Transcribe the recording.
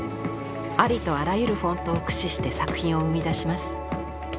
ありとあらゆるフォントを駆使して作品を生みだします。